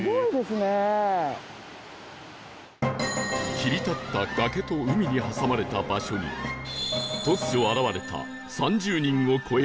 切り立った崖と海に挟まれた場所に突如現れた